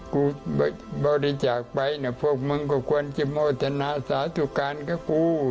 กูบริจาคไปพวกมึงก็ควรจะโมทนาสาธุการณ์กับกู